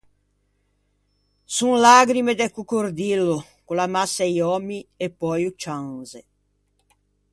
Son lagrime de coccordillo, ch’o l’ammassa i òmmi e pöi o cianze.